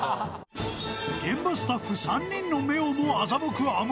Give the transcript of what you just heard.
［現場スタッフ３人の目をも欺くあむぎり］